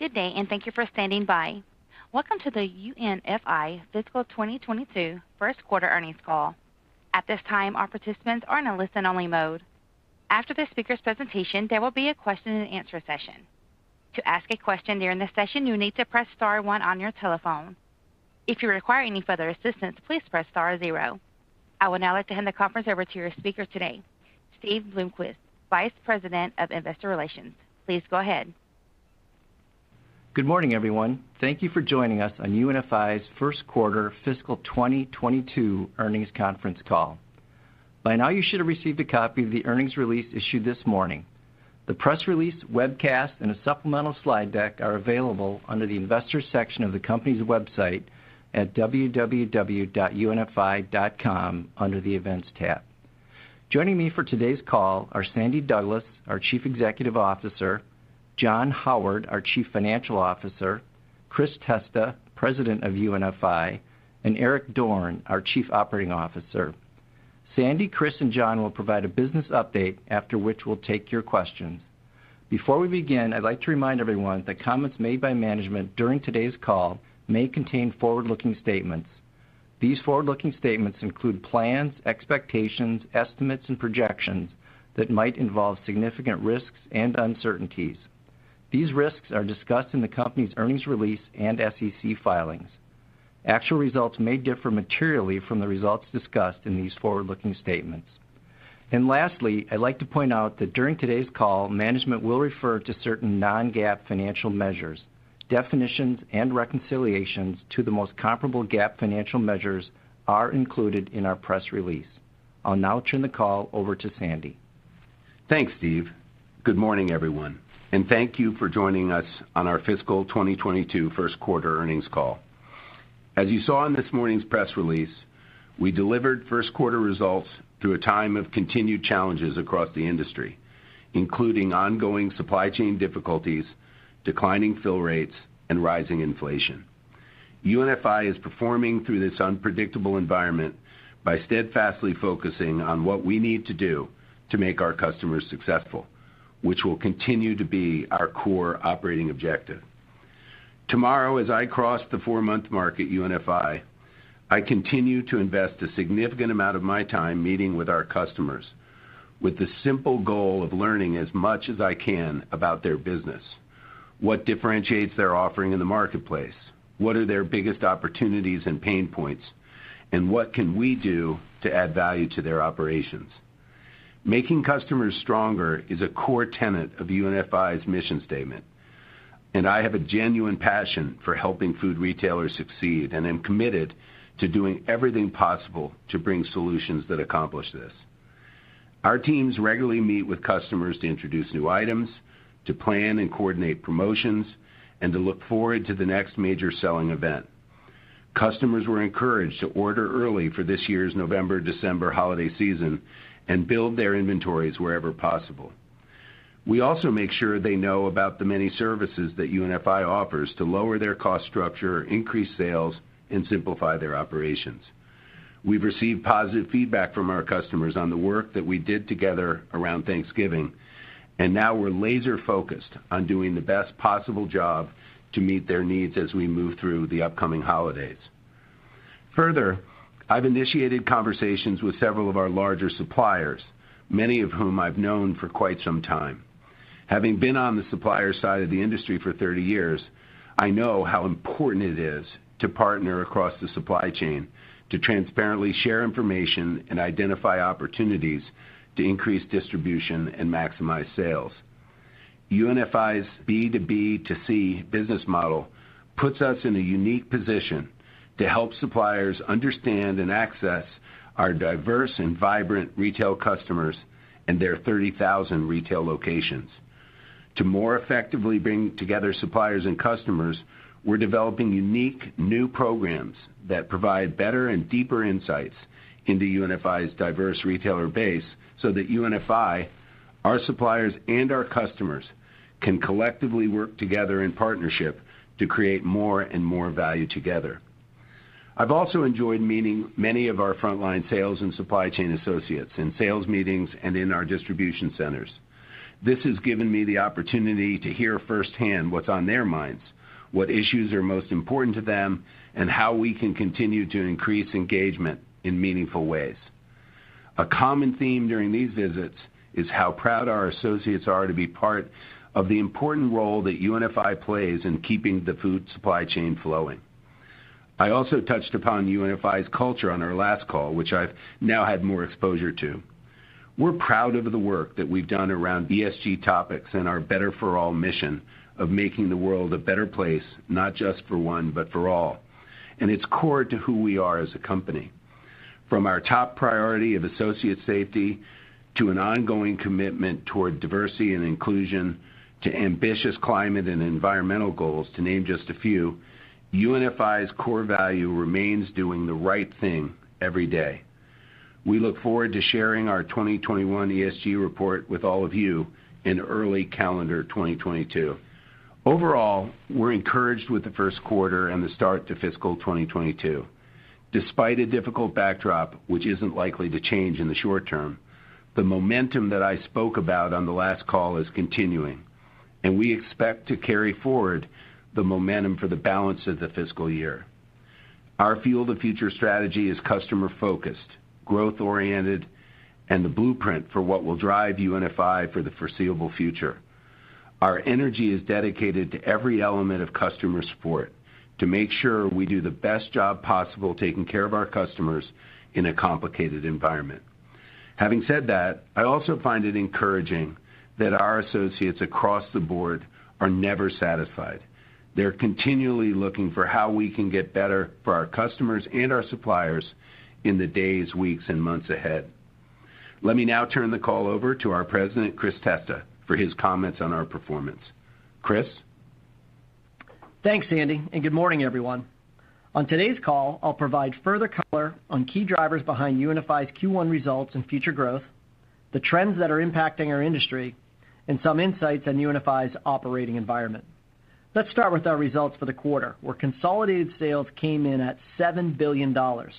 Good day, and thank you for standing by. Welcome to the UNFI Fiscal 2022 First Quarter Earnings Call. At this time, all participants are in a listen-only mode. After the speaker's presentation, there will be a question and answer session. To ask a question during the session, you need to press star one on your telephone. If you require any further assistance, please press star zero. I would now like to hand the conference over to your speaker today, Steve Bloomquist, Vice President of Investor Relations. Please go ahead. Good morning, everyone. Thank you for joining us on UNFI's First Quarter Fiscal 2022 Earnings Conference Call. By now, you should have received a copy of the earnings release issued this morning. The press release webcast and a supplemental slide deck are available under the Investors Section of the company's website at www.unfi.com under the Events tab. Joining me for today's call are Sandy Douglas, our Chief Executive Officer, John Howard, our Chief Financial Officer, Chris Testa, President of UNFI, and Eric Dorne, our Chief Operating Officer. Sandy, Chris, and John will provide a business update. After which, we'll take your questions. Before we begin, I'd like to remind everyone that comments made by management during today's call may contain forward-looking statements. These forward-looking statements include plans, expectations, estimates, and projections that might involve significant risks and uncertainties. These risks are discussed in the company's earnings release and SEC filings. Actual results may differ materially from the results discussed in these forward-looking statements. Lastly, I'd like to point out that during today's call, management will refer to certain non-GAAP financial measures. Definitions and reconciliations to the most comparable GAAP financial measures are included in our press release. I'll now turn the call over to Sandy. Thanks, Steve. Good morning, everyone, and thank you for joining us on our fiscal 2022 first quarter earnings call. As you saw in this morning's press release, we delivered first quarter results through a time of continued challenges across the industry, including ongoing supply chain difficulties, declining fill rates, and rising inflation. UNFI is performing through this unpredictable environment by steadfastly focusing on what we need to do to make our customers successful, which will continue to be our core operating objective. Tomorrow, as I cross the four-month mark at UNFI, I continue to invest a significant amount of my time meeting with our customers with the simple goal of learning as much as I can about their business, what differentiates their offering in the marketplace, what are their biggest opportunities and pain points, and what can we do to add value to their operations. Making customers stronger is a core tenet of UNFI's mission statement, and I have a genuine passion for helping food retailers succeed, and I'm committed to doing everything possible to bring solutions that accomplish this. Our teams regularly meet with customers to introduce new items, to plan and coordinate promotions, and to look forward to the next major selling event. Customers were encouraged to order early for this year's November, December Holiday Season and build their inventories wherever possible. We also make sure they know about the many services that UNFI offers to lower their cost structure, increase sales, and simplify their operations. We've received positive feedback from our customers on the work that we did together around Thanksgiving, and now we're laser focused on doing the best possible job to meet their needs as we move through the upcoming holidays. Further, I've initiated conversations with several of our larger suppliers, many of whom I've known for quite some time. Having been on the supplier side of the industry for 30 years, I know how important it is to partner across the supply chain to transparently share information and identify opportunities to increase distribution and maximize sales. UNFI's B2B2C business model puts us in a unique position to help suppliers understand and access our diverse and vibrant retail customers and their 30,000 retail locations. To more effectively bring together suppliers and customers, we're developing unique new programs that provide better and deeper insights into UNFI's diverse retailer base so that UNFI, our suppliers, and our customers can collectively work together in partnership to create more and more value together. I've also enjoyed meeting many of our frontline sales and supply chain associates in sales meetings and in our distribution centers. This has given me the opportunity to hear firsthand what's on their minds, what issues are most important to them, and how we can continue to increase engagement in meaningful ways. A common theme during these visits is how proud our associates are to be part of the important role that UNFI plays in keeping the food supply chain flowing. I also touched upon UNFI's culture on our last call, which I've now had more exposure to. We're proud of the work that we've done around ESG topics and our Better for All mission of making the world a better place, not just for one, but for all, and it's core to who we are as a company. From our top priority of associate safety to an ongoing commitment toward diversity and inclusion, to ambitious climate and environmental goals, to name just a few, UNFI's core value remains doing the right thing every day. We look forward to sharing our 2021 ESG report with all of you in early calendar 2022. Overall, we're encouraged with the first quarter and the start to fiscal 2022. Despite a difficult backdrop, which isn't likely to change in the short term, the momentum that I spoke about on the last call is continuing, and we expect to carry forward the momentum for the balance of the fiscal year. Our Fuel the Future strategy is customer-focused, growth-oriented, and the blueprint for what will drive UNFI for the foreseeable future. Our energy is dedicated to every element of customer support to make sure we do the best job possible taking care of our customers in a complicated environment. Having said that, I also find it encouraging that our associates across the board are never satisfied. They're continually looking for how we can get better for our customers and our suppliers in the days, weeks, and months ahead. Let me now turn the call over to our President, Chris Testa, for his comments on our performance. Chris? Thanks, Sandy, and good morning, everyone. On today's call, I'll provide further color on key drivers behind UNFI's Q1 results and future growth, the trends that are impacting our industry, and some insights on UNFI's operating environment. Let's start with our results for the quarter, where consolidated sales came in at $7 billion, a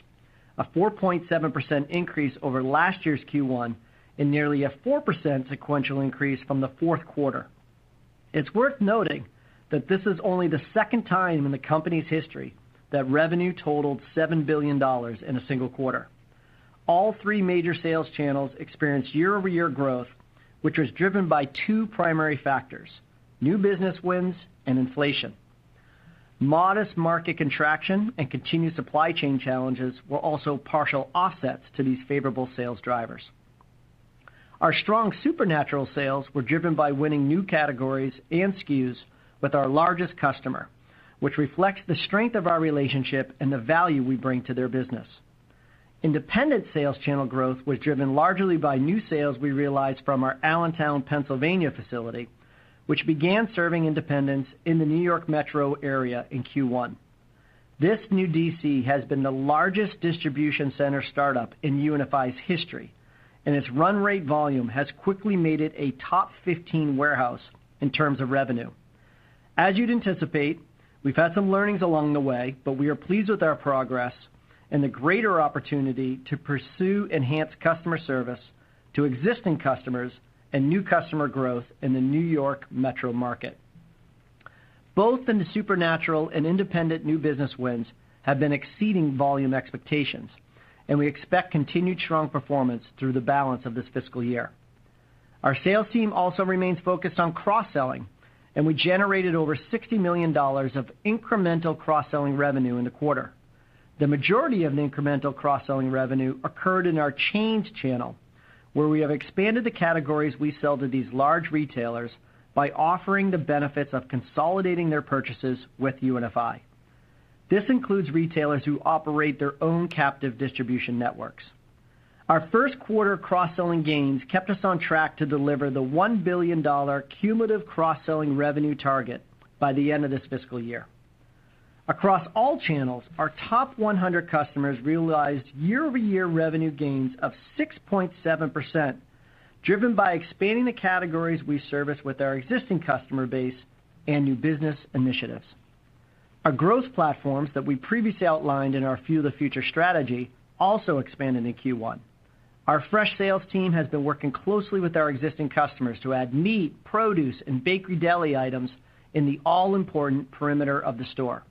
4.7% increase over last year's Q1 and nearly a 4% sequential increase from the fourth quarter. It's worth noting that this is only the second time in the company's history that revenue totaled $7 billion in a single quarter. All three major sales channels experienced year-over-year growth, which was driven by two primary factors, new business wins and inflation. Modest market contraction and continued supply chain challenges were also partial offsets to these favorable sales drivers. Our strong supermarket sales were driven by winning new categories and SKUs with our largest customer, which reflects the strength of our relationship and the value we bring to their business. Independent sales channel growth was driven largely by new sales we realized from our Allentown, Pennsylvania facility, which began serving independents in the New York Metro area in Q1. This new DC has been the largest distribution center startup in UNFI's history, and its run rate volume has quickly made it a top 15 warehouse in terms of revenue. As you'd anticipate, we've had some learnings along the way, but we are pleased with our progress and the greater opportunity to pursue enhanced customer service to existing customers and new customer growth in the New York Metro market. Both in the supermarket and independent new business wins have been exceeding volume expectations, and we expect continued strong performance through the balance of this fiscal year. Our sales team also remains focused on cross-selling, and we generated over $60 million of incremental cross-selling revenue in the quarter. The majority of the incremental cross-selling revenue occurred in our chain channel, where we have expanded the categories we sell to these large retailers by offering the benefits of consolidating their purchases with UNFI. This includes retailers who operate their own captive distribution networks. Our first quarter cross-selling gains kept us on track to deliver the $1 billion cumulative cross-selling revenue target by the end of this fiscal year. Across all channels, our top 100 customers realized year-over-year revenue gains of 6.7%, driven by expanding the categories we service with our existing customer base and new business initiatives. Our growth platforms that we previously outlined in our Fuel the Future strategy also expanded in Q1. Our fresh sales team has been working closely with our existing customers to add meat, produce, and bakery deli items in the all-important perimeter of the store.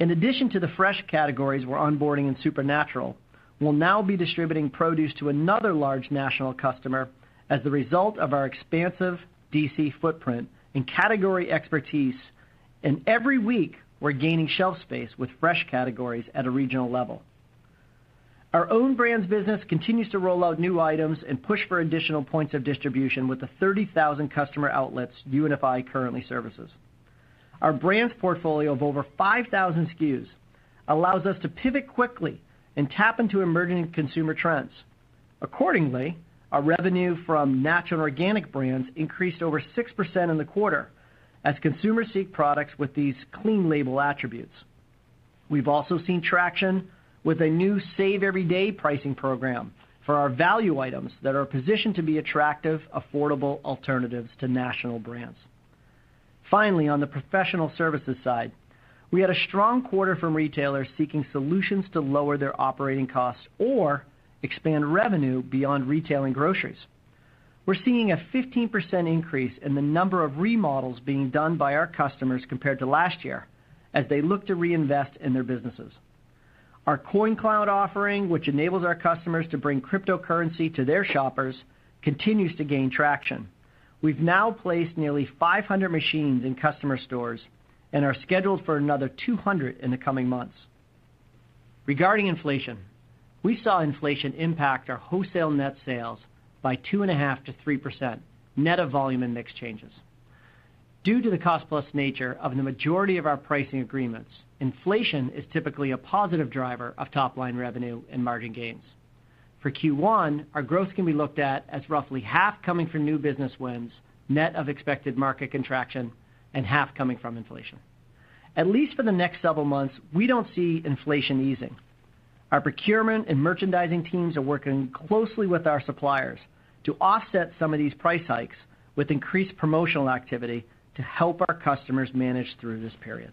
In addition to the fresh categories we're onboarding in supernatural, we'll now be distributing produce to another large national customer as the result of our expansive DC footprint and category expertise, and every week, we're gaining shelf space with fresh categories at a regional level. Our own brands business continues to roll out new items and push for additional points of distribution with the 30,000 customer outlets UNFI currently services. Our brands portfolio of over 5,000 SKUs allows us to pivot quickly and tap into emerging consumer trends. Accordingly, our revenue from natural organic brands increased over 6% in the quarter as consumers seek products with these clean label attributes. We've also seen traction with a new Save Everyday pricing program for our value items that are positioned to be attractive, affordable alternatives to national brands. Finally, on the professional services side, we had a strong quarter from retailers seeking solutions to lower their operating costs or expand revenue beyond retail and groceries. We're seeing a 15% increase in the number of remodels being done by our customers compared to last year as they look to reinvest in their businesses. Our Coin Cloud offering, which enables our customers to bring cryptocurrency to their shoppers, continues to gain traction. We've now placed nearly 500 machines in customer stores and are scheduled for another 200 in the coming months. Regarding inflation, we saw inflation impact our wholesale net sales by 2.5%-3% net of volume and mix changes. Due to the cost-plus nature of the majority of our pricing agreements, inflation is typically a positive driver of top-line revenue and margin gains. For Q1, our growth can be looked at as roughly half coming from new business wins, net of expected market contraction, and half coming from inflation. At least for the next several months, we don't see inflation easing. Our procurement and merchandising teams are working closely with our suppliers to offset some of these price hikes with increased promotional activity to help our customers manage through this period.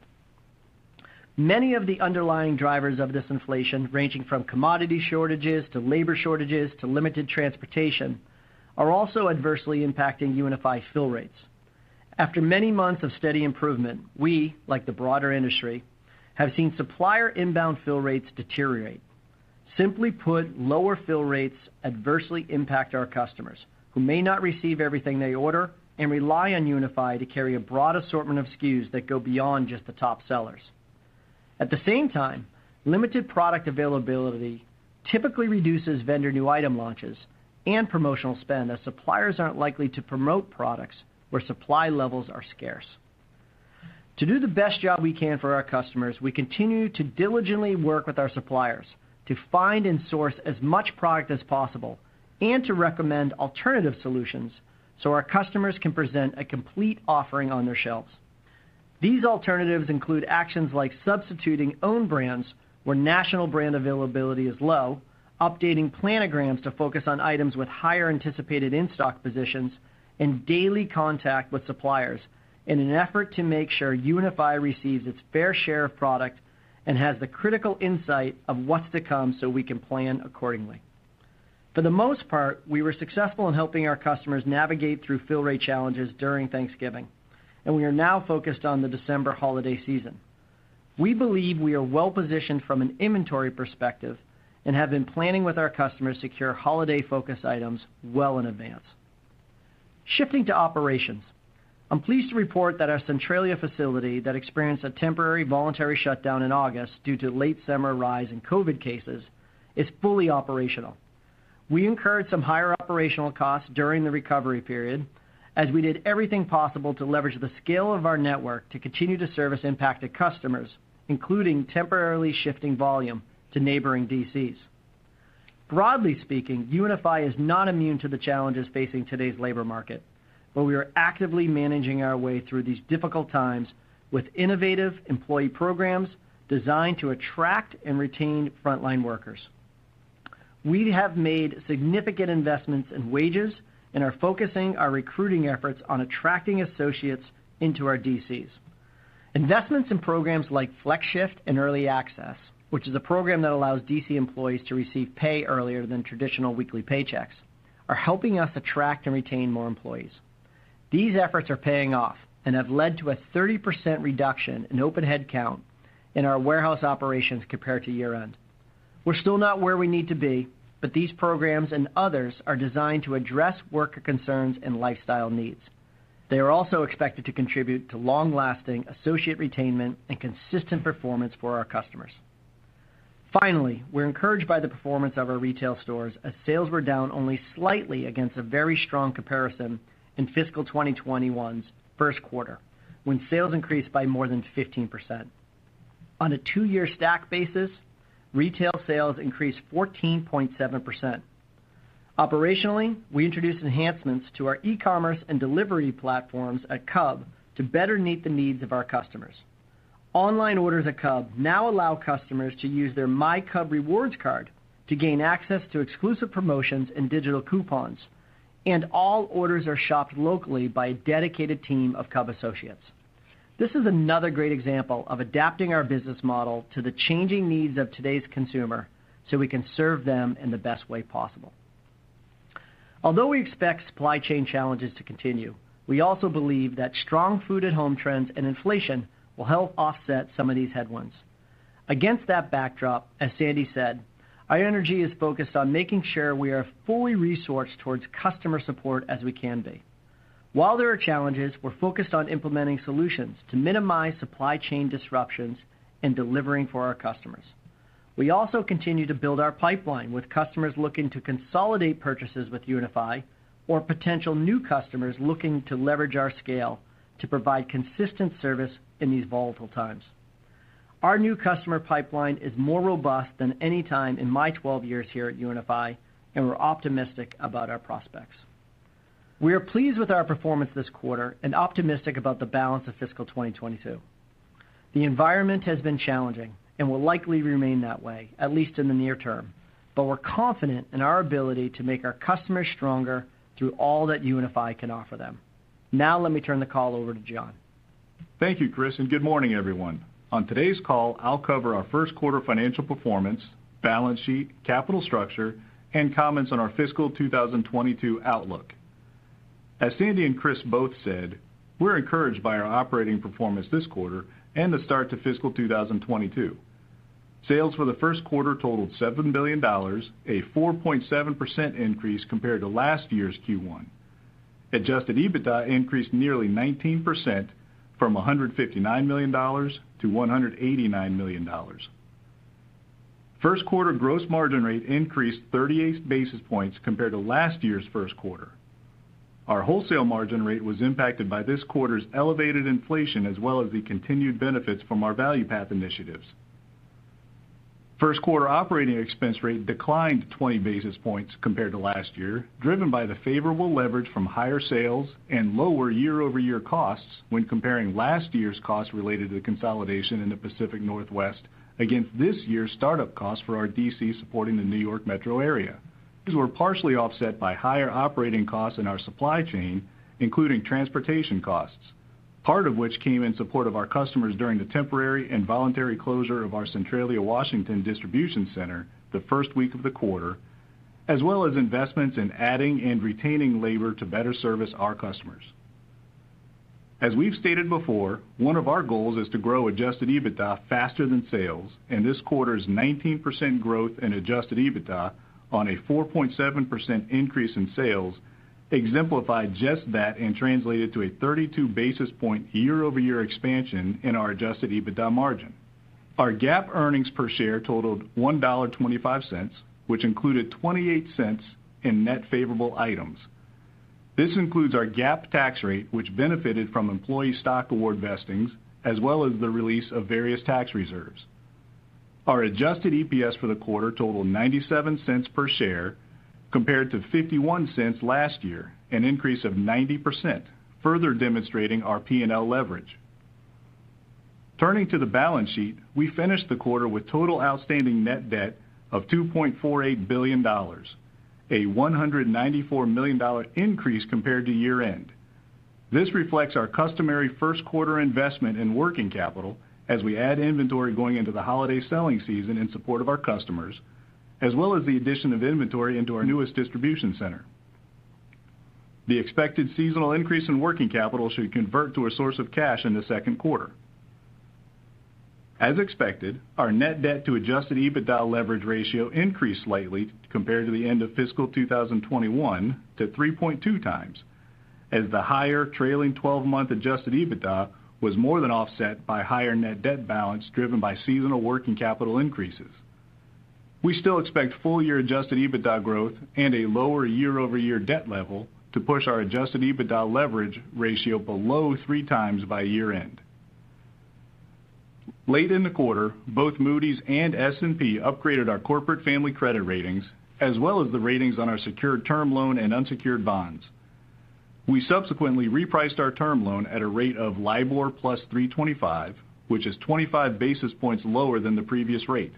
Many of the underlying drivers of this inflation, ranging from commodity shortages to labor shortages to limited transportation, are also adversely impacting UNFI's fill rates. After many months of steady improvement, we, like the broader industry, have seen supplier inbound fill rates deteriorate. Simply put, lower fill rates adversely impact our customers who may not receive everything they order and rely on UNFI to carry a broad assortment of SKUs that go beyond just the top sellers. At the same time, limited product availability typically reduces vendor new item launches and promotional spend, as suppliers aren't likely to promote products where supply levels are scarce. To do the best job we can for our customers, we continue to diligently work with our suppliers to find and source as much product as possible and to recommend alternative solutions so our customers can present a complete offering on their shelves. These alternatives include actions like substituting own brands where national brand availability is low, updating planograms to focus on items with higher anticipated in-stock positions, and daily contact with suppliers in an effort to make sure UNFI receives its fair share of product and has the critical insight of what's to come so we can plan accordingly. For the most part, we were successful in helping our customers navigate through fill rate challenges during Thanksgiving, and we are now focused on the December Holiday Season. We believe we are well positioned from an inventory perspective and have been planning with our customers to secure holiday focus items well in advance. Shifting to operations, I'm pleased to report that our Centralia facility that experienced a temporary voluntary shutdown in August due to late summer rise in COVID cases is fully operational. We incurred some higher operational costs during the recovery period as we did everything possible to leverage the scale of our network to continue to service impacted customers, including temporarily shifting volume to neighboring DCs. Broadly speaking, UNFI is not immune to the challenges facing today's labor market, but we are actively managing our way through these difficult times with innovative employee programs designed to attract and retain frontline workers. We have made significant investments in wages and are focusing our recruiting efforts on attracting associates into our DCs. Investments in programs like Flex Shift and Early Access, which is a program that allows DC employees to receive pay earlier than traditional weekly paychecks, are helping us attract and retain more employees. These efforts are paying off and have led to a 30% reduction in open headcount in our warehouse operations compared to year-end. We're still not where we need to be, but these programs and others are designed to address worker concerns and lifestyle needs. They are also expected to contribute to long-lasting associate retainment and consistent performance for our customers. Finally, we're encouraged by the performance of our retail stores as sales were down only slightly against a very strong comparison in fiscal 2021's first quarter, when sales increased by more than 15%. On a two-year stack basis, retail sales increased 14.7%. Operationally, we introduced enhancements to our e-commerce and delivery platforms at Cub to better meet the needs of our customers. Online orders at Cub now allow customers to use their My Cub Rewards card to gain access to exclusive promotions and digital coupons, and all orders are shopped locally by a dedicated team of Cub associates. This is another great example of adapting our business model to the changing needs of today's consumer so we can serve them in the best way possible. Although we expect supply chain challenges to continue, we also believe that strong food at home trends and inflation will help offset some of these headwinds. Against that backdrop, as Sandy said, our energy is focused on making sure we are fully resourced towards customer support as we can be. While there are challenges, we're focused on implementing solutions to minimize supply chain disruptions and delivering for our customers. We also continue to build our pipeline with customers looking to consolidate purchases with UNFI or potential new customers looking to leverage our scale to provide consistent service in these volatile times. Our new customer pipeline is more robust than any time in my 12 years here at UNFI, and we're optimistic about our prospects. We are pleased with our performance this quarter and optimistic about the balance of fiscal 2022. The environment has been challenging and will likely remain that way, at least in the near term. We're confident in our ability to make our customers stronger through all that UNFI can offer them. Now let me turn the call over to John. Thank you, Chris, and good morning, everyone. On today's call, I'll cover our first quarter financial performance, balance sheet, capital structure, and comments on our fiscal 2022 outlook. As Sandy and Chris both said, we're encouraged by our operating performance this quarter and the start to fiscal 2022. Sales for the first quarter totaled $7 billion, a 4.7% increase compared to last year's Q1. Adjusted EBITDA increased nearly 19% from $159 million to $189 million. First quarter gross margin rate increased 38 basis points compared to last year's first quarter. Our wholesale margin rate was impacted by this quarter's elevated inflation as well as the continued benefits from our ValuePath initiatives. First quarter operating expense rate declined 20 basis points compared to last year, driven by the favorable leverage from higher sales and lower year-over-year costs when comparing last year's costs related to the consolidation in the Pacific Northwest against this year's startup costs for our DC supporting the New York Metro area. These were partially offset by higher operating costs in our supply chain, including transportation costs, part of which came in support of our customers during the temporary and voluntary closure of our Centralia, Washington distribution center the first week of the quarter, as well as investments in adding and retaining labor to better service our customers. As we've stated before, one of our goals is to grow Adjusted EBITDA faster than sales, and this quarter's 19% growth in Adjusted EBITDA on a 4.7% increase in sales exemplified just that and translated to a 32 basis points year-over-year expansion in our Adjusted EBITDA margin. Our GAAP earnings per share totaled $1.25, which included 28 cents in net favorable items. This includes our GAAP tax rate, which benefited from employee stock award vestings, as well as the release of various tax reserves. Our adjusted EPS for the quarter totaled $0.97 per share compared to 51 cents last year, an increase of 90%, further demonstrating our P&L leverage. Turning to the balance sheet, we finished the quarter with total outstanding net debt of $2.48 billion, a $194 million increase compared to year-end. This reflects our customary first quarter investment in working capital as we add inventory going into the holiday selling season in support of our customers, as well as the addition of inventory into our newest distribution center. The expected seasonal increase in working capital should convert to a source of cash in the second quarter. As expected, our net debt to Adjusted EBITDA leverage ratio increased slightly compared to the end of fiscal 2021 to 3.2 times as the higher trailing 12-month Adjusted EBITDA was more than offset by higher net debt balance driven by seasonal working capital increases. We still expect full year Adjusted EBITDA growth and a lower year-over-year debt level to push our Adjusted EBITDA leverage ratio below three times by year-end. Late in the quarter, both Moody's and S&P upgraded our corporate family credit ratings, as well as the ratings on our secured term loan and unsecured bonds. We subsequently repriced our term loan at a rate of LIBOR plus 3.25, which is 25 basis points lower than the previous rate.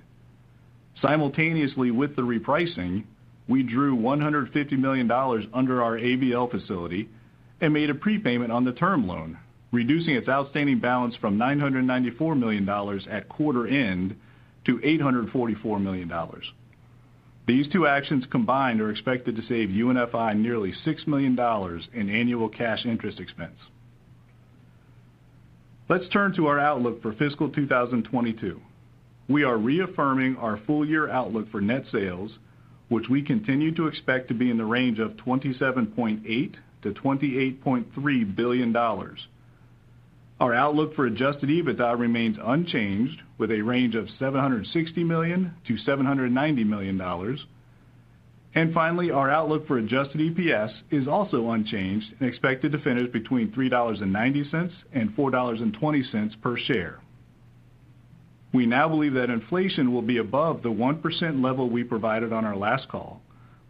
Simultaneously with the repricing, we drew $150 million under our ABL facility and made a prepayment on the term loan, reducing its outstanding balance from $994 million at quarter end to $844 million. These two actions combined are expected to save UNFI nearly $6 million in annual cash interest expense. Let's turn to our outlook for FY 2022. We are reaffirming our full year outlook for net sales, which we continue to expect to be in the range of $27.8 billion-$28.3 billion. Our outlook for Adjusted EBITDA remains unchanged with a range of $760 million-$790 million. Finally, our outlook for adjusted EPS is also unchanged and expected to finish between $3.90 and $4.20 per share. We now believe that inflation will be above the 1% level we provided on our last call,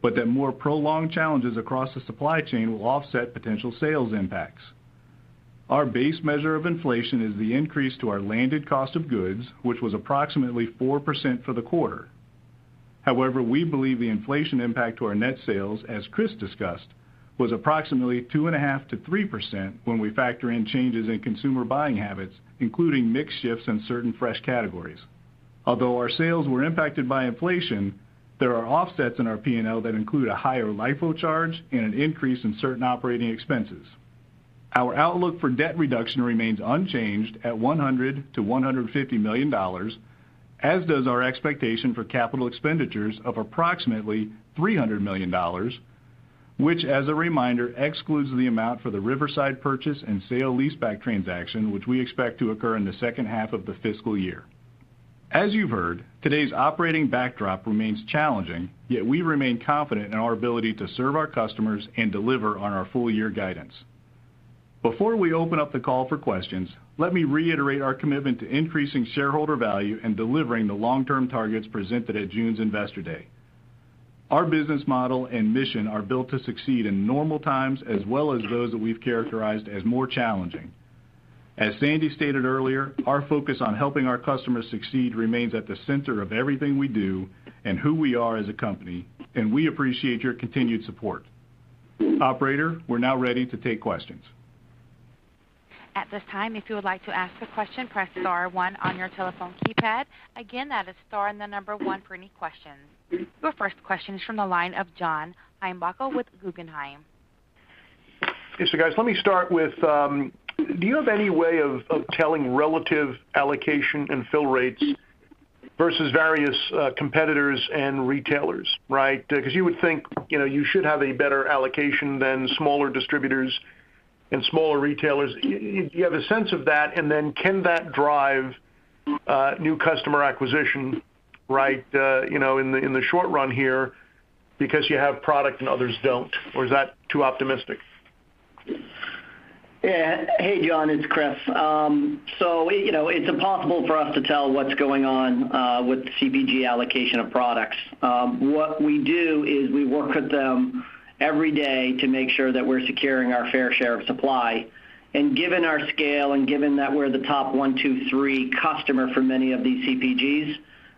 but that more prolonged challenges across the supply chain will offset potential sales impacts. Our base measure of inflation is the increase to our landed cost of goods, which was approximately 4% for the quarter. However, we believe the inflation impact to our net sales, as Chris discussed, was approximately 2.5%-3% when we factor in changes in consumer buying habits, including mix shifts in certain fresh categories. Although our sales were impacted by inflation, there are offsets in our P&L that include a higher LIFO charge and an increase in certain operating expenses. Our outlook for debt reduction remains unchanged at $100 million-$150 million, as does our expectation for capital expenditures of approximately $300 million, which as a reminder, excludes the amount for the Riverside purchase and sale leaseback transaction, which we expect to occur in the second half of the fiscal year. As you've heard, today's operating backdrop remains challenging, yet we remain confident in our ability to serve our customers and deliver on our full year guidance. Before we open up the call for questions, let me reiterate our commitment to increasing shareholder value and delivering the long-term targets presented at June's Investor Day. Our business model and mission are built to succeed in normal times as well as those that we've characterized as more challenging. As Sandy stated earlier, our focus on helping our customers succeed remains at the center of everything we do and who we are as a company, and we appreciate your continued support. Operator, we're now ready to take questions. Your first question is from the line of John Heinbockel with Guggenheim. Yes, guys, let me start with, do you have any way of telling relative allocation and fill rates versus various competitors and retailers, right? Because you would think, you know, you should have a better allocation than smaller distributors and smaller retailers. Do you have a sense of that? Can that drive new customer acquisition right, you know, in the short run here because you have product and others don't? Or is that too optimistic? Yeah. Hey, John, it's Chris. You know, it's impossible for us to tell what's going on with CPG allocation of products. What we do is we work with them every day to make sure that we're securing our fair share of supply. Given our scale and given that we're the top 1, 2, 3 customer for many of these CPGs,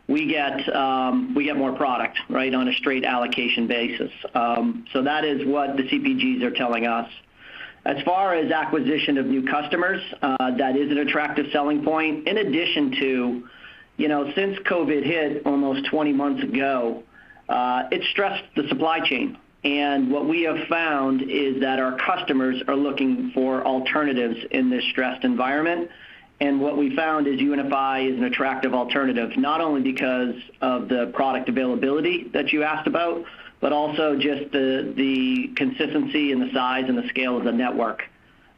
we get more product, right, on a straight allocation basis. That is what the CPGs are telling us. As far as acquisition of new customers, that is an attractive selling point. In addition to, you know, since COVID hit almost 20 months ago, it stressed the supply chain. What we have found is that our customers are looking for alternatives in this stressed environment. What we found is UNFI is an attractive alternative, not only because of the product availability that you asked about, but also just the consistency and the size and the scale of the network.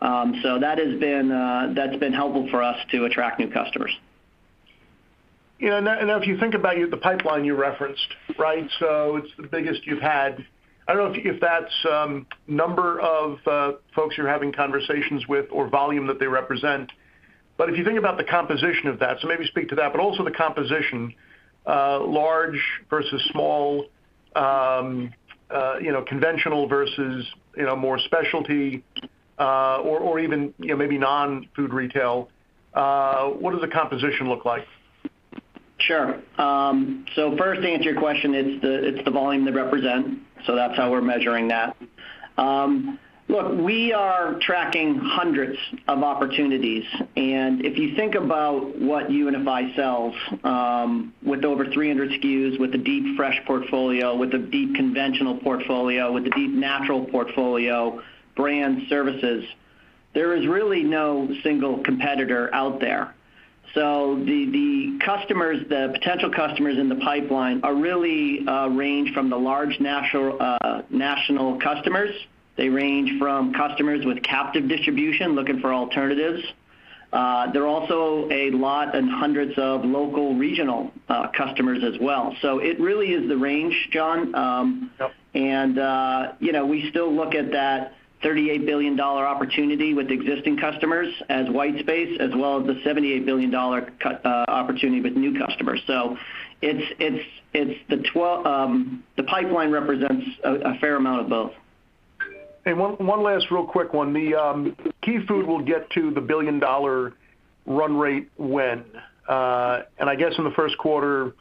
That has been helpful for us to attract new customers. Yeah. Now, if you think about the pipeline you referenced, right? It's the biggest you've had. I don't know if that's number of folks you're having conversations with or volume that they represent. But if you think about the composition of that, maybe speak to that, but also the composition, large versus small, you know, conventional versus, you know, more specialty, or even, you know, maybe non-food retail, what does the composition look like? Sure. So first, to answer your question, it's the volume they represent, so that's how we're measuring that. Look, we are tracking hundreds of opportunities. If you think about what UNFI sells, with over 300 SKUs, with a deep fresh portfolio, with a deep conventional portfolio, with a deep natural portfolio, brand services, there is really no single competitor out there. The customers, the potential customers in the pipeline really range from the large national customers. They range from customers with captive distribution looking for alternatives. They're also a lot and hundreds of local regional customers as well. It really is the range, John. Yep. You know, we still look at that $38 billion opportunity with existing customers as white space, as well as the $78 billion opportunity with new customers. The pipeline represents a fair amount of both. One last real quick one. The Key Food will get to the $1 billion run rate when? I guess in the first quarter,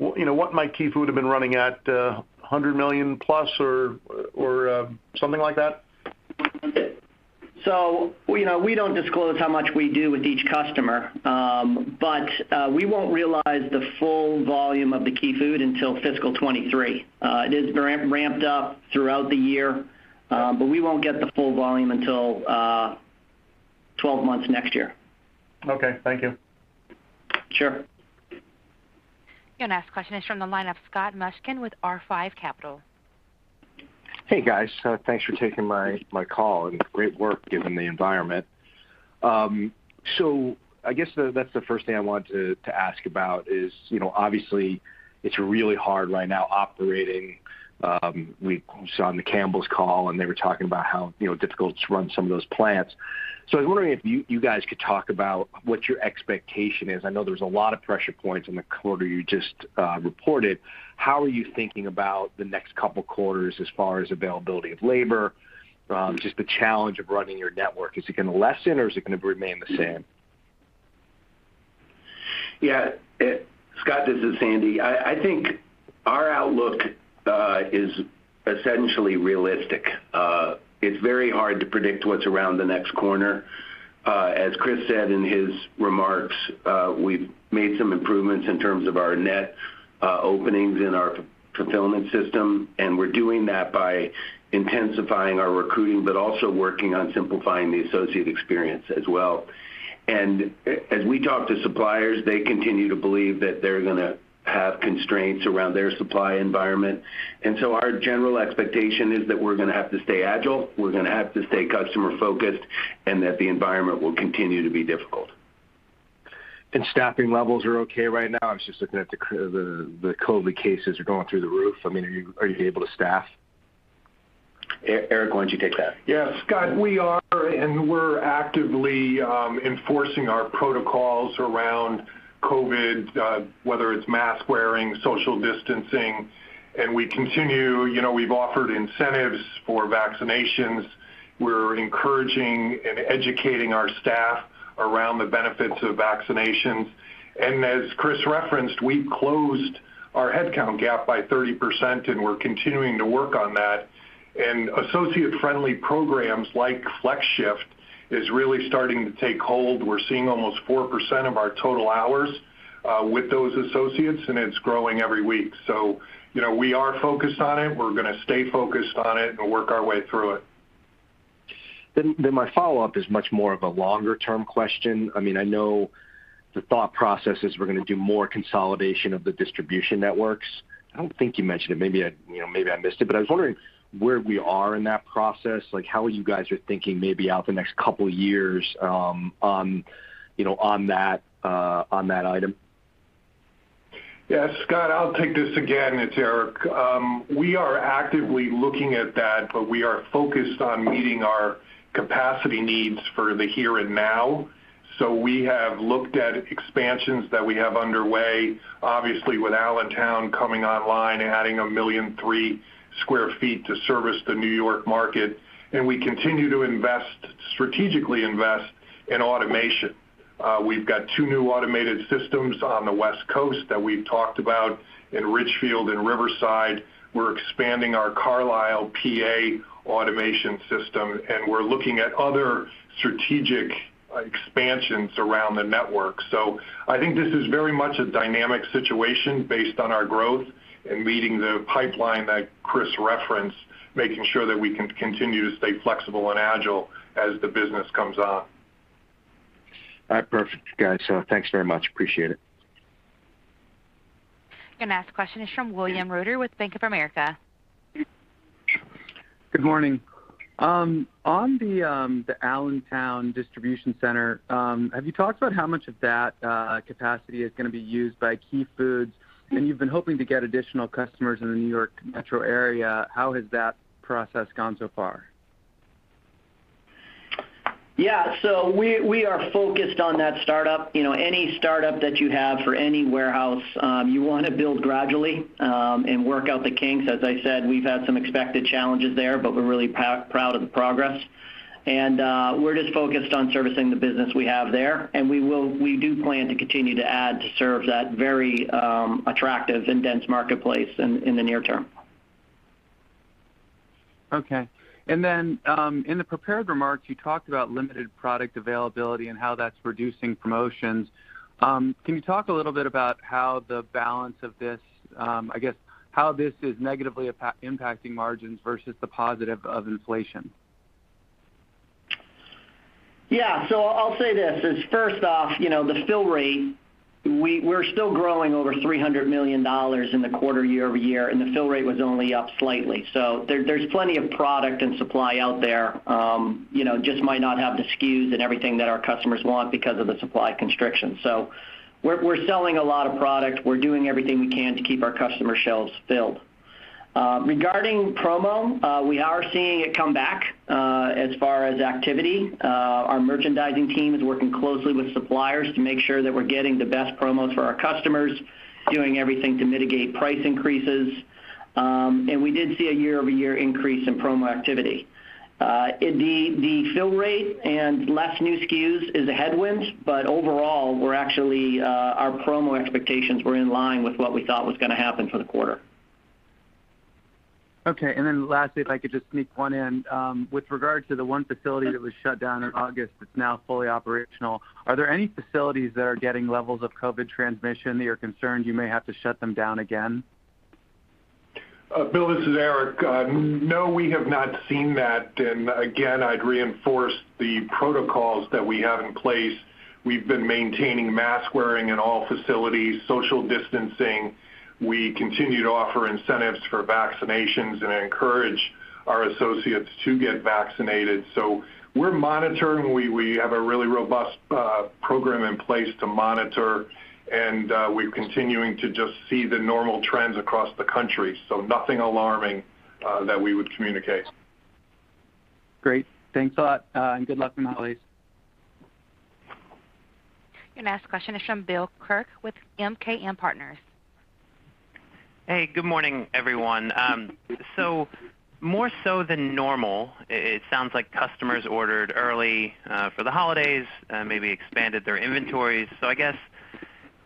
you know, what might Key Food have been running at? $100 million plus or something like that? You know, we don't disclose how much we do with each customer. We won't realize the full volume of the Key Food until FY 2023. It is ramped up throughout the year, but we won't get the full volume until 12 months next year. Okay, thank you. Sure. The next question is from the line of Scott Mushkin with R5 Capital. Hey, guys. Thanks for taking my call, and great work given the environment. I guess that's the first thing I wanted to ask about is, you know, obviously it's really hard right now operating. We saw on the Campbell's call, and they were talking about how, you know, difficult to run some of those plants. I was wondering if you guys could talk about what your expectation is. I know there's a lot of pressure points in the quarter you just reported. How are you thinking about the next couple quarters as far as availability of labor, just the challenge of running your network? Is it gonna lessen or is it gonna remain the same? Yeah. Scott, this is Sandy. I think our outlook is essentially realistic. It's very hard to predict what's around the next corner. As Chris said in his remarks, we've made some improvements in terms of our net openings in our fulfillment system, and we're doing that by intensifying our recruiting but also working on simplifying the associate experience as well. As we talk to suppliers, they continue to believe that they're gonna have constraints around their supply environment. Our general expectation is that we're gonna have to stay agile, we're gonna have to stay customer focused, and that the environment will continue to be difficult. Staffing levels are okay right now? I was just looking at the COVID cases are going through the roof. I mean, are you able to staff? Eric, why don't you take that? Yeah. Scott, we're actively enforcing our protocols around COVID, whether it's mask wearing, social distancing. You know, we've offered incentives for vaccinations. We're encouraging and educating our staff around the benefits of vaccinations. As Chris referenced, we've closed our headcount gap by 30%, and we're continuing to work on that. Associate friendly programs like FlexShift is really starting to take hold. We're seeing almost 4% of our total hours with those associates, and it's growing every week. You know, we are focused on it. We're gonna stay focused on it and work our way through it. My follow-up is much more of a longer term question. I mean, I know the thought process is we're gonna do more consolidation of the distribution networks. I don't think you mentioned it. Maybe I, you know, maybe I missed it. I was wondering where we are in that process Like, how you guys are thinking maybe out the next couple years, on, you know, on that, on that item? Yes, Scott, I'll take this again. It's Eric. We are actively looking at that, but we are focused on meeting our capacity needs for the here and now. We have looked at expansions that we have underway, obviously with Allentown coming online, adding 1.3 million sq. ft. to service the New York market, and we continue to strategically invest in automation. We've got two new automated systems on the West Coast that we've talked about in Richfield and Riverside. We're expanding our Carlisle, PA automation system, and we're looking at other strategic expansions around the network. I think this is very much a dynamic situation based on our growth and meeting the pipeline that Chris referenced, making sure that we can continue to stay flexible and agile as the business comes on. All right. Perfect, guys. Thanks very much. Appreciate it. The next question is from William Reuter with Bank of America. Good morning. On the Allentown distribution center, have you talked about how much of that capacity is gonna be used by Key Food? You've been hoping to get additional customers in the New York Metro area. How has that process gone so far? Yeah. We are focused on that startup. You know, any startup that you have for any warehouse, you wanna build gradually, and work out the kinks. As I said, we've had some expected challenges there, but we're really proud of the progress. We're just focused on servicing the business we have there, and we do plan to continue to add to serve that very attractive and dense marketplace in the near term. Okay. In the prepared remarks, you talked about limited product availability and how that's reducing promotions. Can you talk a little bit about how the balance of this, I guess, how this is negatively impacting margins versus the positive of inflation? I'll say this is first off, you know, the fill rate. We're still growing over $300 million in the quarter year-over-year, and the fill rate was only up slightly. There's plenty of product and supply out there, you know, just might not have the SKUs and everything that our customers want because of the supply constriction. We're selling a lot of product. We're doing everything we can to keep our customer shelves filled. Regarding promo, we are seeing it come back as far as activity. Our merchandising team is working closely with suppliers to make sure that we're getting the best promos for our customers, doing everything to mitigate price increases. We did see a year-over-year increase in promo activity. The fill rate and less new SKUs is a headwind, but overall, we're actually our promo expectations were in line with what we thought was gonna happen for the quarter. Okay. Lastly, if I could just sneak one in. With regard to the one facility that was shut down in August that's now fully operational, are there any facilities that are getting levels of COVID transmission that you're concerned you may have to shut them down again? Bill, this is Eric. No, we have not seen that. Again, I'd reinforce the protocols that we have in place. We've been maintaining mask wearing in all facilities, social distancing. We continue to offer incentives for vaccinations and encourage our associates to get vaccinated. We're monitoring. We have a really robust program in place to monitor, and we're continuing to just see the normal trends across the country. Nothing alarming that we would communicate. Great. Thanks a lot, and good luck with the holidays. Your next question is from Bill Kirk with MKM Partners. Hey, good morning, everyone. More so than normal, it sounds like customers ordered early for the holidays, maybe expanded their inventories. I guess,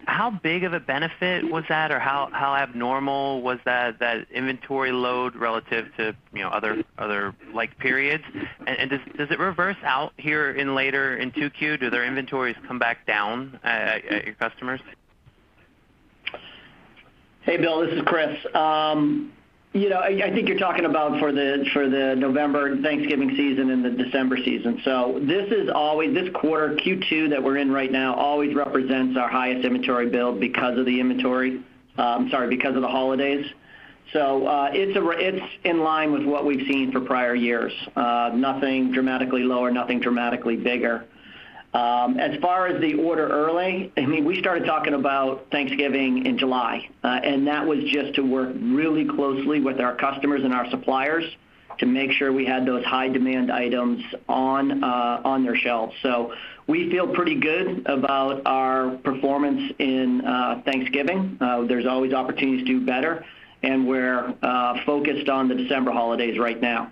how big of a benefit was that, or how abnormal was that inventory load relative to, you know, other like periods? Does it reverse out here in later in 2Q? Do their inventories come back down at your customers? Hey, Bill, this is Chris. You know, I think you're talking about for the November Thanksgiving season and the December season. This quarter, Q2 that we're in right now, always represents our highest inventory build because of the holidays. It's in line with what we've seen for prior years. Nothing dramatically lower, nothing dramatically bigger. As far as ordering early, I mean, we started talking about Thanksgiving in July, and that was just to work really closely with our customers and our suppliers to make sure we had those high demand items on their shelves. We feel pretty good about our performance in Thanksgiving. There's always opportunities to do better, and we're focused on the December holidays right now.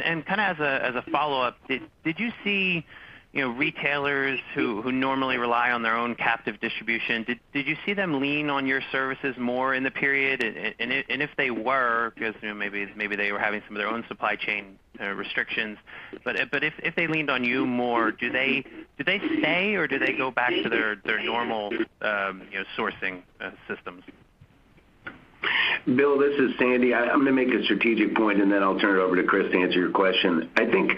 Kind of as a follow-up, did you see, you know, retailers who normally rely on their own captive distribution, did you see them lean on your services more in the period? If they were, because, you know, maybe they were having some of their own supply chain restrictions. If they leaned on you more, do they stay, or do they go back to their normal, you know, sourcing systems? Bill, this is Sandy. I'm gonna make a strategic point, and then I'll turn it over to Chris to answer your question. I think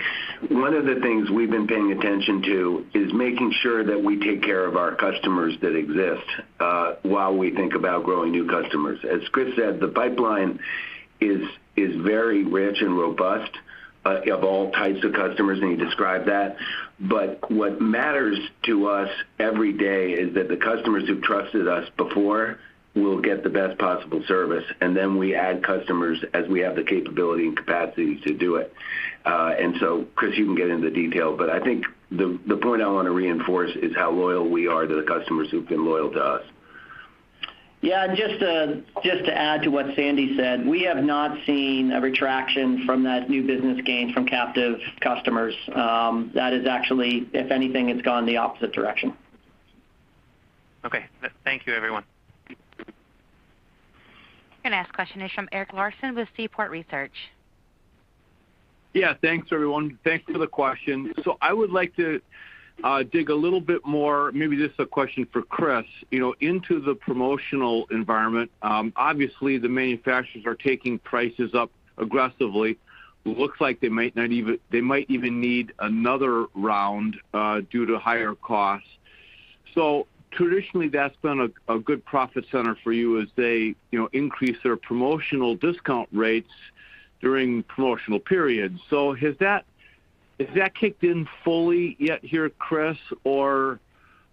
one of the things we've been paying attention to is making sure that we take care of our customers that exist while we think about growing new customers. As Chris said, the pipeline is very rich and robust. Of all types of customers, and you described that. What matters to us every day is that the customers who trusted us before will get the best possible service, and then we add customers as we have the capability and capacity to do it. Chris, you can get into the detail, but I think the point I wanna reinforce is how loyal we are to the customers who've been loyal to us. Yeah. Just to add to what Sandy said, we have not seen a retraction from that new business gain from captive customers. That is actually, if anything, it's gone the opposite direction. Okay. Thank you, everyone. The next question is from Eric Larson with Seaport Research. Yeah. Thanks, everyone. Thanks for the question. I would like to dig a little bit more, maybe this is a question for Chris, you know, into the promotional environment. Obviously, the manufacturers are taking prices up aggressively. Looks like they might even need another round due to higher costs. Traditionally, that's been a good profit center for you as they, you know, increase their promotional discount rates during promotional periods. Has that kicked in fully yet here, Chris? Or,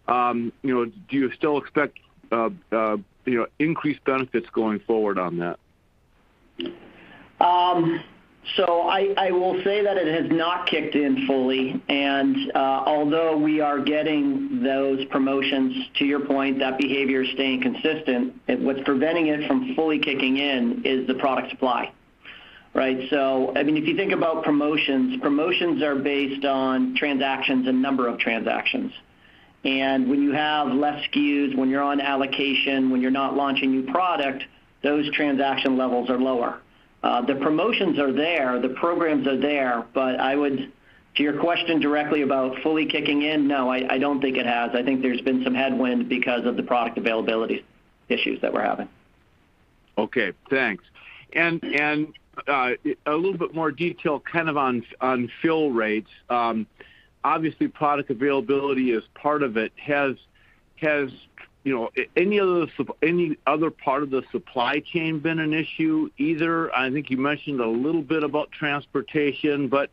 you know, do you still expect increased benefits going forward on that? I will say that it has not kicked in fully, and although we are getting those promotions, to your point, that behavior is staying consistent. What's preventing it from fully kicking in is the product supply, right? I mean, if you think about promotions are based on transactions and number of transactions. When you have less SKUs, when you're on allocation, when you're not launching new product, those transaction levels are lower. The promotions are there, the programs are there. To your question directly about fully kicking in, no, I don't think it has. I think there's been some headwind because of the product availability issues that we're having. Okay. Thanks. A little bit more detail kind of on fill rates. Obviously, product availability is part of it. Has you know any other part of the supply chain been an issue either? I think you mentioned a little bit about transportation, but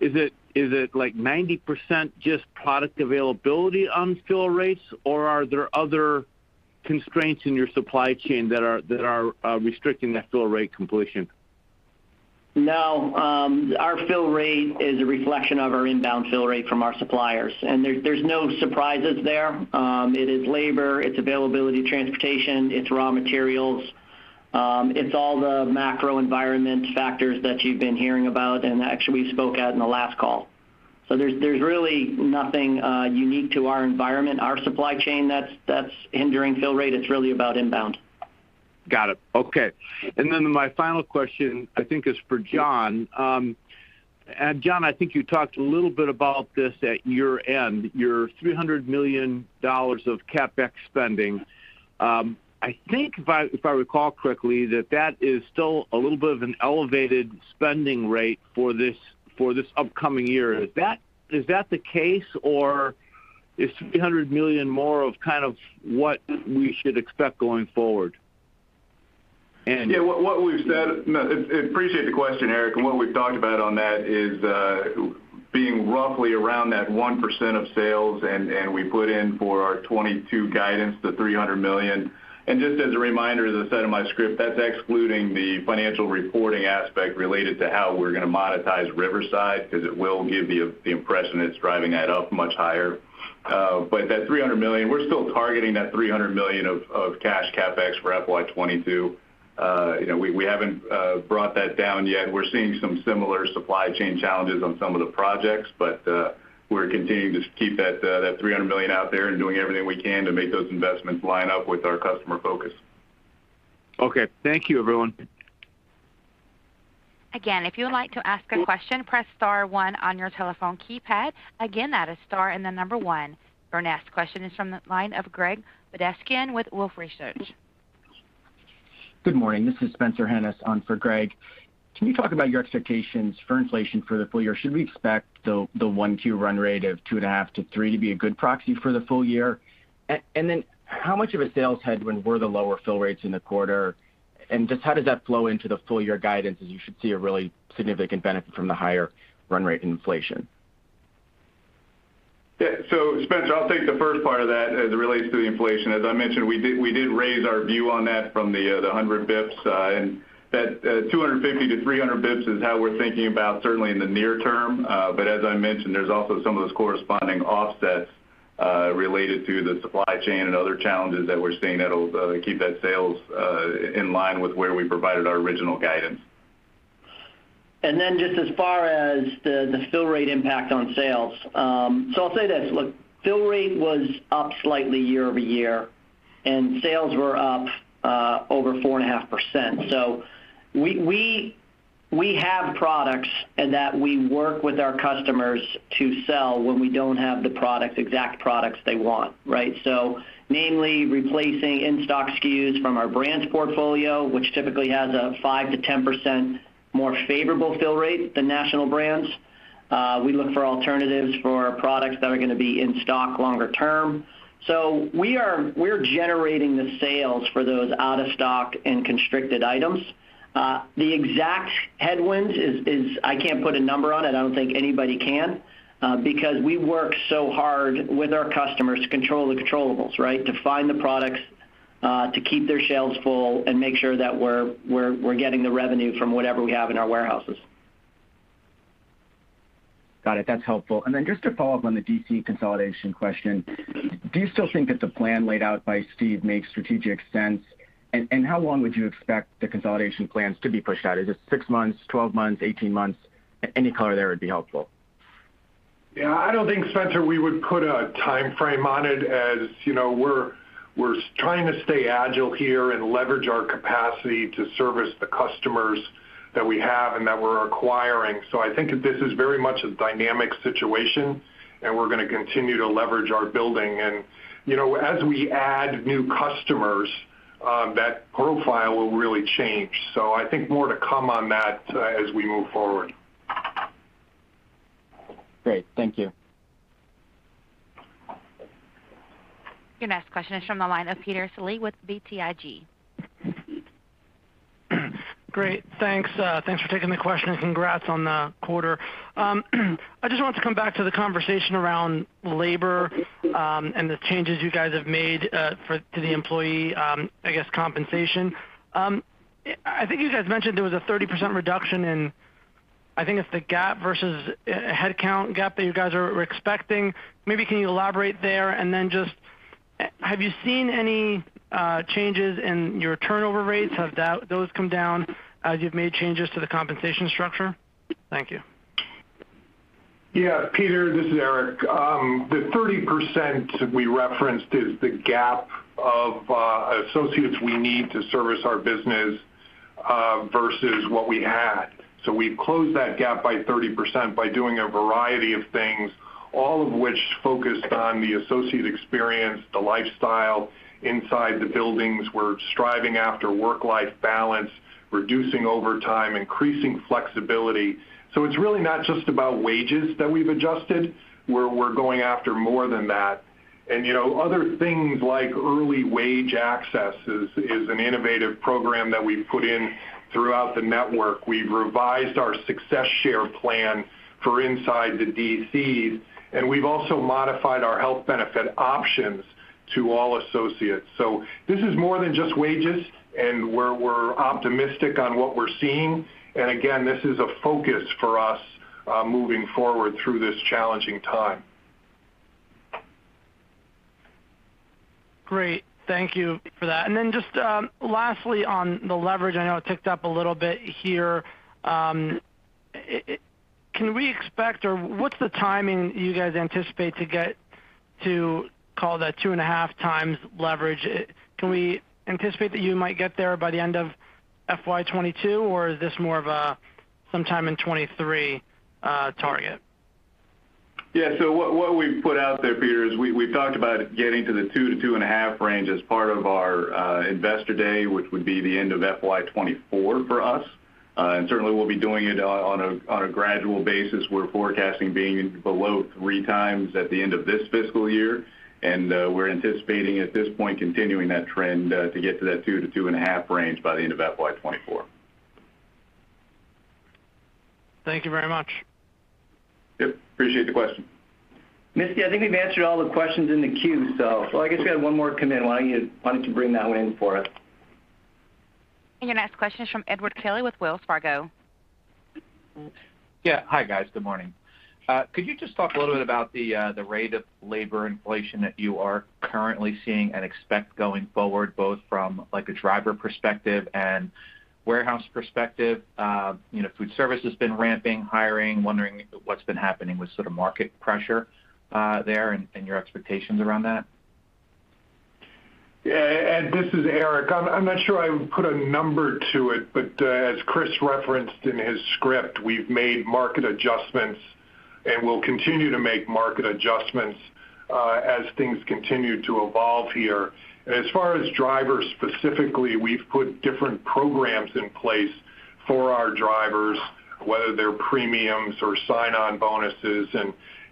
is it like 90% just product availability on fill rates, or are there other constraints in your supply chain that are restricting that fill rate completion? No. Our fill rate is a reflection of our inbound fill rate from our suppliers, and there's no surprises there. It is labor, it's availability, transportation, it's raw materials. It's all the macro environment factors that you've been hearing about and actually we spoke at in the last call. There's really nothing unique to our environment, our supply chain that's hindering fill rate. It's really about inbound. Got it. Okay. My final question, I think is for John. John, I think you talked a little bit about this at your end, your $300 million of CapEx spending. I think if I recall correctly, that is still a little bit of an elevated spending rate for this upcoming year. Is that the case, or is $300 million more of kind of what we should expect going forward? Yeah. What we've said. No, I appreciate the question, Eric. What we've talked about on that is being roughly around that 1% of sales and we put in for our 2022 guidance, the $300 million. Just as a reminder, as I said in my script, that's excluding the financial reporting aspect related to how we're gonna monetize Riverside, 'cause it will give the impression it's driving that up much higher. But that $300 million, we're still targeting that $300 million of cash CapEx for FY 2022. You know, we haven't brought that down yet. We're seeing some similar supply chain challenges on some of the projects, but we're continuing to keep that $300 million out there and doing everything we can to make those investments line up with our customer focus. Okay. Thank you everyone. Again, if you would like to ask a question, press star one on your telephone keypad. Again, that is star and the number 1. Your next question is from the line of Greg Badishkanian with Wolfe Research. Good morning. This is Spencer Hanus on for Greg. Can you talk about your expectations for inflation for the full year? Should we expect the Q1 run rate of 2.5-3 to be a good proxy for the full year? Then how much of a sales headwind were the lower fill rates in the quarter? Just how does that flow into the full year guidance, as you should see a really significant benefit from the higher run rate inflation? Yeah. Spencer, I'll take the first part of that as it relates to the inflation. As I mentioned, we did raise our view on that from the 100 basis points. That 250-300 basis points is how we're thinking about certainly in the near term. As I mentioned, there's also some of those corresponding offsets related to the supply chain and other challenges that we're seeing that'll keep that sales in line with where we provided our original guidance. Just as far as the fill rate impact on sales. I'll say this. Look, fill rate was up slightly year-over-year, and sales were up over 4.5%. We have products and that we work with our customers to sell when we don't have exact products they want, right? Namely replacing in-stock SKUs from our brands portfolio, which typically has a 5%-10% more favorable fill rate than national brands. We look for alternatives for products that are gonna be in stock longer term. We're generating the sales for those out of stock and constricted items. The exact headwinds is I can't put a number on it. I don't think anybody can, because we work so hard with our customers to control the controllables, right, to find the products, to keep their shelves full and make sure that we're getting the revenue from whatever we have in our warehouses. Got it. That's helpful. Then just to follow up on the DC consolidation question, do you still think that the plan laid out by Steve makes strategic sense? How long would you expect the consolidation plans to be pushed out? Is it six months, 12 months, 18 months? Any color there would be helpful. Yeah. I don't think, Spencer, we would put a timeframe on it. As you know, we're trying to stay agile here and leverage our capacity to service the customers that we have and that we're acquiring. I think that this is very much a dynamic situation, and we're gonna continue to leverage our building. You know, as we add new customers, that profile will really change. I think more to come on that, as we move forward. Great. Thank you. Your next question is from the line of Peter Saleh with BTIG. Great. Thanks for taking the question, and congrats on the quarter. I just wanted to come back to the conversation around labor, and the changes you guys have made to the employee, I guess compensation. I think you guys mentioned there was a 30% reduction in, I think it's the gap versus a headcount gap that you guys were expecting. Maybe can you elaborate there? And then just, have you seen any changes in your turnover rates? Have those come down as you've made changes to the compensation structure? Thank you. Yeah. Peter, this is Eric. The 30% we referenced is the gap of associates we need to service our business versus what we had. We've closed that gap by 30% by doing a variety of things, all of which focused on the associate experience, the lifestyle inside the buildings. We're striving after work-life balance, reducing overtime, increasing flexibility. It's really not just about wages that we've adjusted. We're going after more than that. You know, other things like Early Access is an innovative program that we've put in throughout the network. We've revised our success share plan for inside the DCs, and we've also modified our health benefit options to all associates. This is more than just wages and we're optimistic on what we're seeing. Again, this is a focus for us, moving forward through this challenging time. Great. Thank you for that. Just lastly on the leverage, I know it ticked up a little bit here. Can we expect or what's the timing you guys anticipate to get to call that 2.5x leverage? Can we anticipate that you might get there by the end of FY 2022, or is this more of a sometime in 2023 target? Yeah. What we've put out there, Peter, is we've talked about getting to the 2-2.5 range as part of our Investor Day, which would be the end of FY 2024 for us. Certainly we'll be doing it on a gradual basis. We're forecasting being below three times at the end of this fiscal year, and we're anticipating at this point continuing that trend to get to that 2-2.5 range by the end of FY 2024. Thank you very much. Yep, appreciate the question. Misty, I think we've answered all the questions in the queue, so. Oh, I guess we had one more come in. Why don't you bring that one in for us? Your next question is from Edward Kelly with Wells Fargo. Yeah. Hi, guys. Good morning. Could you just talk a little bit about the rate of labor inflation that you are currently seeing and expect going forward, both from, like, a driver perspective and warehouse perspective? You know, food service has been ramping, hiring, wondering what's been happening with sort of market pressure there and your expectations around that. Yeah. Ed, this is Eric. I'm not sure I would put a number to it, but as Chris referenced in his script, we've made market adjustments and will continue to make market adjustments as things continue to evolve here. As far as drivers specifically, we've put different programs in place for our drivers, whether they're premiums or sign-on bonuses.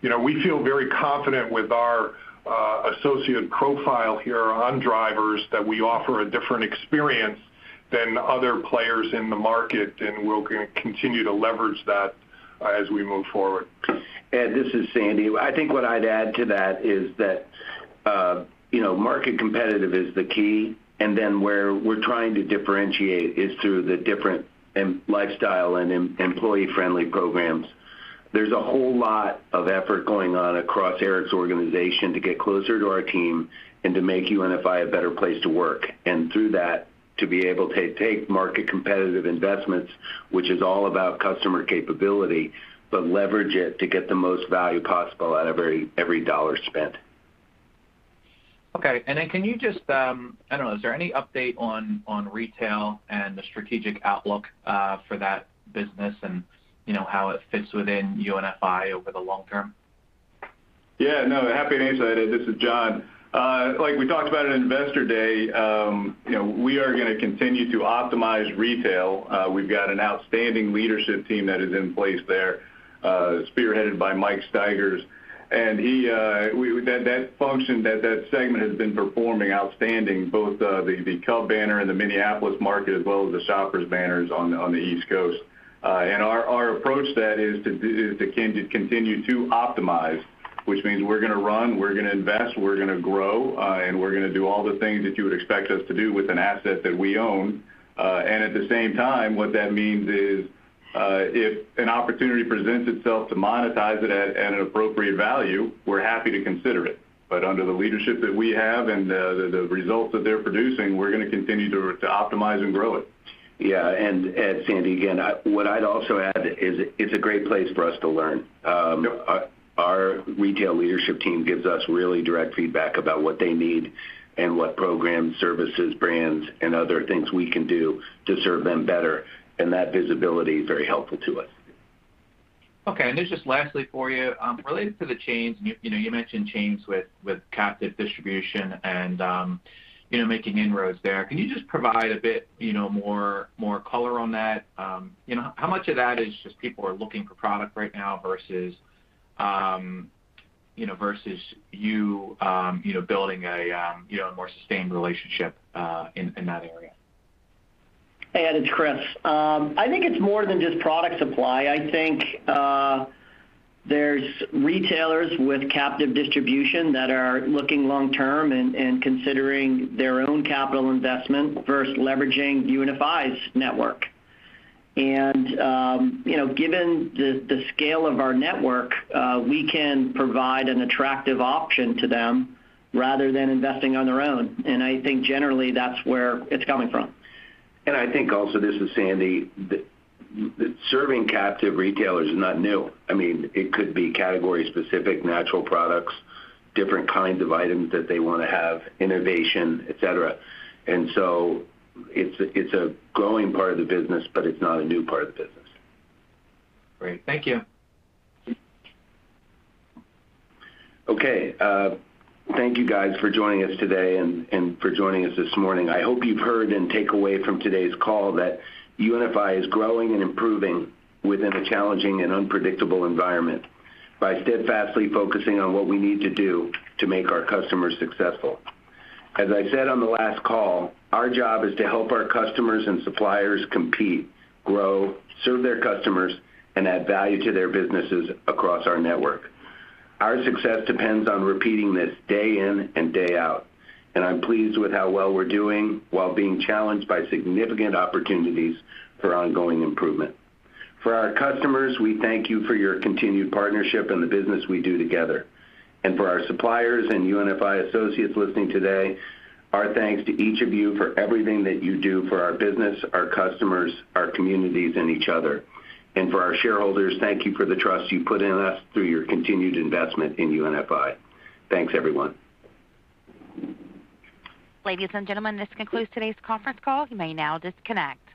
You know, we feel very confident with our associate profile here on drivers that we offer a different experience than other players in the market, and we're gonna continue to leverage that as we move forward. Ed, this is Sandy. I think what I'd add to that is that, you know, market-competitive is the key, and then where we're trying to differentiate is through the diet and lifestyle and employee friendly programs. There's a whole lot of effort going on across Eric's organization to get closer to our team and to make UNFI a better place to work, and through that, to be able to take market-competitive investments, which is all about customer capability, but leverage it to get the most value possible out of every dollar spent. Okay. Can you just, I don't know, is there any update on retail and the strategic outlook for that business? And, you know, how it fits within UNFI over the long term? Yeah, no, happy to answer that. This is John. Like we talked about at Investor Day, you know, we are gonna continue to optimize retail. We've got an outstanding leadership team that is in place there, spearheaded by Mike Stigers. That function, that segment has been performing outstanding, both the Cub banner in the Minneapolis market, as well as the Shoppers banners on the East Coast. Our approach to that is to continue to optimize, which means we're gonna run, we're gonna invest, we're gonna grow, and we're gonna do all the things that you would expect us to do with an asset that we own. At the same time, what that means is, if an opportunity presents itself to monetize it at an appropriate value, we're happy to consider it. Under the leadership that we have and the results that they're producing, we're gonna continue to optimize and grow it. Sandy, again, what I'd also add is it's a great place for us to learn. Yep. Our retail leadership team gives us really direct feedback about what they need and what programs, services, brands, and other things we can do to serve them better, and that visibility is very helpful to us. Okay. This is just lastly for you. Related to the chains, you know, you mentioned chains with captive distribution and, you know, making inroads there. Can you just provide a bit, you know, more color on that? You know, how much of that is just people are looking for product right now versus, you know, versus you building a more sustained relationship in that area? Edward, it's Chris. I think it's more than just product supply. I think there's retailers with captive distribution that are looking long term and considering their own capital investment versus leveraging UNFI's network. You know, given the scale of our network, we can provide an attractive option to them rather than investing on their own. I think generally that's where it's coming from. I think also, this is Sandy. Serving captive retailers is not new. I mean, it could be category specific, natural products, different kinds of items that they wanna have, innovation, et cetera. It's a growing part of the business, but it's not a new part of the business. Great. Thank you. Okay. Thank you guys for joining us today and for joining us this morning. I hope you've heard and take away from today's call that UNFI is growing and improving within a challenging and unpredictable environment by steadfastly focusing on what we need to do to make our customers successful. As I said on the last call, our job is to help our customers and suppliers compete, grow, serve their customers, and add value to their businesses across our network. Our success depends on repeating this day in and day out, and I'm pleased with how well we're doing while being challenged by significant opportunities for ongoing improvement. For our customers, we thank you for your continued partnership and the business we do together. For our suppliers and UNFI associates listening today, our thanks to each of you for everything that you do for our business, our customers, our communities, and each other. For our shareholders, thank you for the trust you put in us through your continued investment in UNFI. Thanks everyone. Ladies and gentlemen, this concludes today's conference call. You may now disconnect.